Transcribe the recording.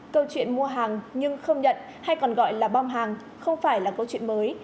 câu chuyện mua hàng nhưng không nhận hay còn gọi là bom hàng không phải là câu chuyện mới